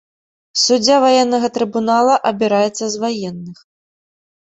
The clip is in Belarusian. Суддзя ваеннага трыбунала абіраецца з ваенных.